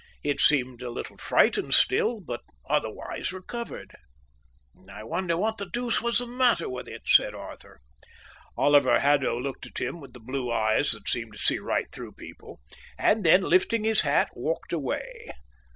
It seemed a little frightened still, but otherwise recovered. "I wonder what the deuce was the matter with it," said Arthur. Oliver Haddo looked at him with the blue eyes that seemed to see right through people, and then, lifting his hat, walked away.